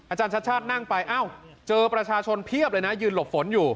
อาจารย์ชัตร์ชัตร์น่างไปเจอประชาชนเพียบเลยยืนหลบฝนอยู่